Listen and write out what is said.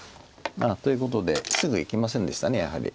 ということですぐいきませんでしたやはり。